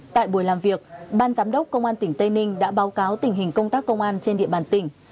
tại buổi làm việc ban giám đốc công an tỉnh tây ninh đã báo cáo tình hình công tác công an trên địa bàn tỉnh